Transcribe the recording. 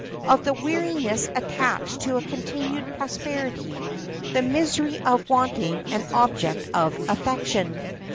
of the weariness attached to a continued prosperity! the misery of wanting an object of affection."